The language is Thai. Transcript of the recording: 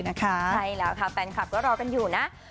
ไม่ได้ค่ะไม่ได้